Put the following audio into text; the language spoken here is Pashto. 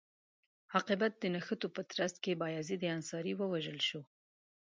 عاقبت د نښتو په ترڅ کې بایزید انصاري ووژل شو.